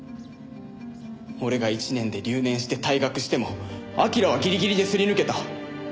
俺が１年で留年して退学しても彬はギリギリですり抜けた。